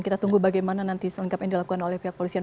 kita tunggu bagaimana nanti selengkapnya dilakukan oleh pihak polisian